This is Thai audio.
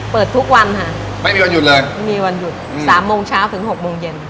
เปิดทุกวันค่ะไม่มีวันหยุดเลยไม่มีวันหยุดสามโมงเช้าถึงหกโมงเย็น